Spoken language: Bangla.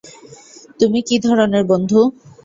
তুমি কি ধরনের বন্ধু?